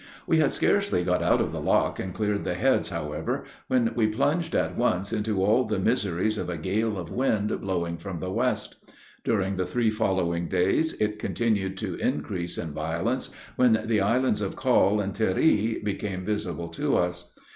We had scarcely got out of the lock and cleared the heads, however, when we plunged at once into all the miseries of a gale of wind blowing from the west. During the three following days, it continued to increase in violence, when the islands of Coll and Tiree became visible to us.